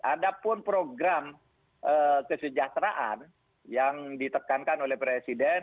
ada pun program kesejahteraan yang ditekankan oleh presiden